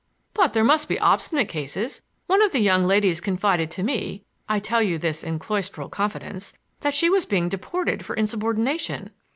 "But there must be obstinate cases. One of the young ladies confided to me—I tell you this in cloistral confidence—that she was being deported for insubordination."